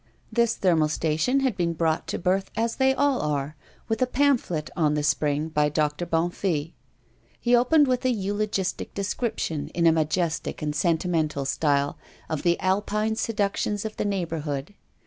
This thermal station had been brought to birth as they all are, with a pamphlet on the spring by Doctor Bonnefille. He opened with a eulogistic description, in a majestic and sentimental style, of the Alpine seductions of the neighborhood.